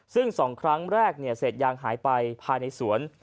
ซึ่ง๒ครั้งแรกเศษยางหายไปภายในสวน